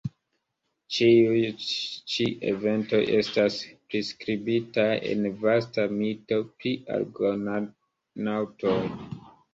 Ĉiuj ĉi eventoj estas priskribitaj en vasta mito pri Argonaŭtoj.